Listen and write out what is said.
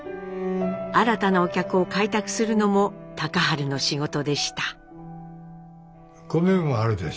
新たなお客を開拓するのも隆治の仕事でした。